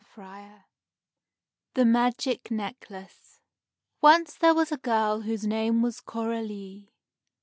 XIII THE MAGIC NECKLACE ONCE there was a girl whose name was Coralie.